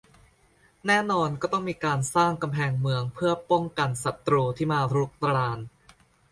แน่นอนก็ต้องมีการสร้างกำแพงเมืองเผื่อป้องกันศัตรูที่มารุกราน